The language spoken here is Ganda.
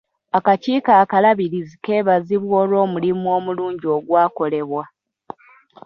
Akakiiko akalabirizi kebazibwa olw'omulimu omulungi ogwakolebwa.